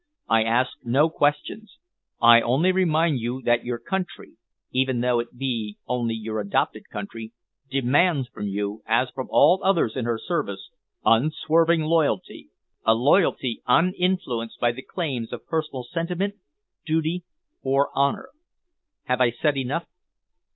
I ask no questions. I only remind you that your country, even though it be only your adopted country, demands from you, as from all others in her service, unswerving loyalty, a loyalty uninfluenced by the claims of personal sentiment, duty, or honour. Have I said enough?"